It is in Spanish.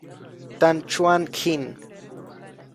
Tan Chuan-Jin.